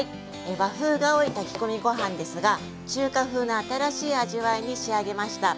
和風が多い炊き込みご飯ですが中華風な新しい味わいに仕上げました。